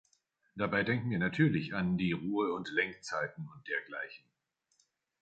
Dabei denken wir natürlich an die Ruhe- und Lenkzeiten und dergleichen.